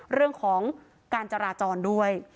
เรื่องของการจราจรด้วย